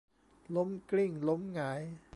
ล้มกลิ้งล้มหงาย